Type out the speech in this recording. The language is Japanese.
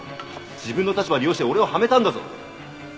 自分の立場を利用して俺をはめたんだぞ。